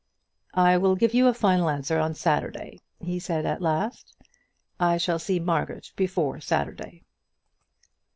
"I will give you a final answer on Saturday," he said at last. "I shall see Margaret before Saturday."